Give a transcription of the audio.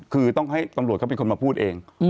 คือต้องให้ตำรวจเขาเป็นคนมาพูดเอง